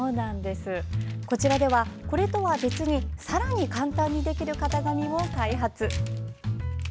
こちらでは、これとは別にさらに簡単にできる型紙も開発。